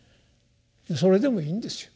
それでもいいんですよ